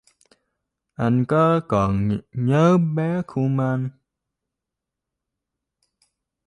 Anh có còn nhớ bé kuman